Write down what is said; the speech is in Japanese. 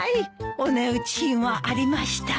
お値打ち品はありました？